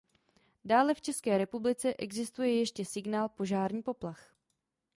Dále v České republice existuje ještě signál „Požární poplach“.